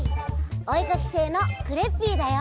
おえかきせいのクレッピーだよ！